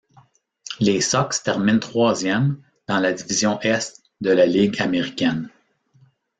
Les Sox terminent troisième dans la division Est de la Ligue américaine.